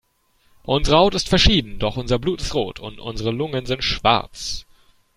Unsere Haut ist verschieden, doch unser Blut ist rot und unsere Lungen sind schwarz.